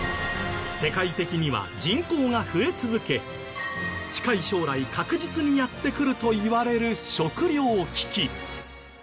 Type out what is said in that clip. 世界的には人口が増え続け近い将来確実にやって来るといわれる食料危機。